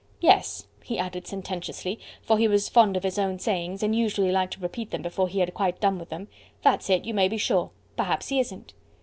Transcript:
"Yes!" he added sententiously, for he was fond of his own sayings and usually liked to repeat them before he had quite done with them, "that's it, you may be sure. Perhaps he isn't."